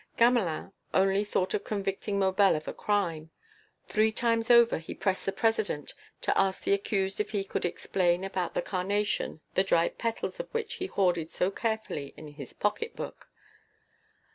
Gamelin only thought of convicting Maubel of a crime; three times over he pressed the President to ask the accused if he could explain about the carnation the dried petals of which he hoarded so carefully in his pocket book.